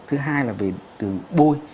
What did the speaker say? thứ hai là về đường bôi